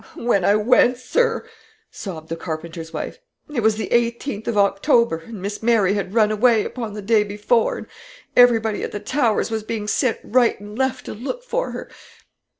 "When I went, sir," sobbed the carpenter's wife, "it was the 18th of October, and Miss Mary had run away upon the day before, and every body at the Towers was being sent right and left to look for her.